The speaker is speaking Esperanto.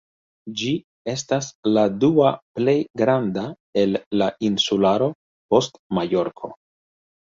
Ĝi estas la dua plej granda el la insularo post Majorko.